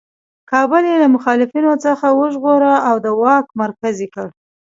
کابل یې له مخالفینو څخه وژغوره او د واک مرکز یې کړ.